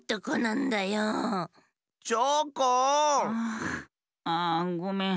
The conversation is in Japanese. ああごめん。